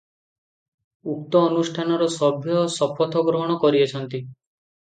ଉକ୍ତ ଅନୁଷ୍ଠାନର ସଭ୍ୟ ଶପଥ ଗ୍ରହଣ କରିଅଛନ୍ତି ।